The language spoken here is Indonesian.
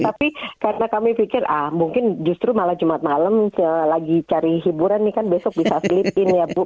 tapi karena kami pikir ah mungkin justru malah jumat malam lagi cari hiburan nih kan besok bisa sleep in ya bu